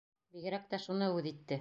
Бигерәк тә шуны үҙ итте.